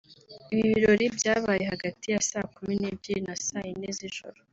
Ibi birori byabaye hagati ya saa kumi n’ebyiri na saa yine z’ijoro